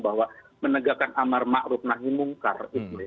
bahwa menegakkan amarmak rupnah dan mungkar